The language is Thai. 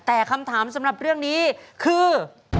แต่คำถามสำหรับเรื่องนี้คือ